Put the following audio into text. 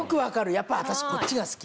やっぱ私こっちが好き。